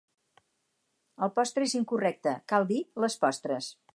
El postre és incorrecte, cal dir les postres